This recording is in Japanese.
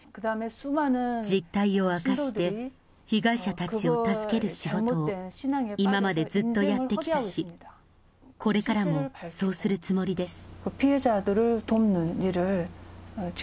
実態を明かして、被害者たちを助ける仕事を今までずっとやってきたし、これからもそうするつもりです。